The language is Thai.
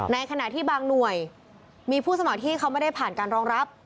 ในขณะที่บางหน่วยมีผู้สมัครที่เขาไม่ได้ผ่านการรองรับ